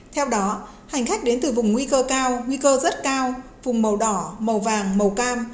theo đó hành khách đến từ vùng nguy cơ cao nguy cơ rất cao vùng màu đỏ màu vàng màu cam